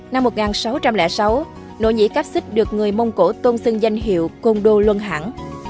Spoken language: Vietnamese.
năm một nghìn sáu trăm linh sáu nỗ nhĩ cáp xích được người mông cổ tôn xưng danh hiệu côn đô luân hẳn